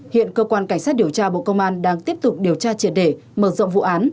hiện cơ quan cảnh sát điều tra bộ công an đang tiếp tục điều tra triệt đề mở rộng vụ án